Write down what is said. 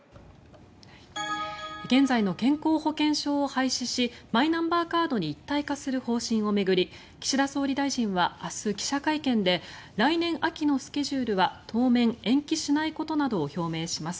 現在の健康保険証を廃止しマイナンバーカードに一体化する方針を巡り岸田総理大臣は明日、記者会見で来年秋のスケジュールは当面、延期しないことなどを表明します。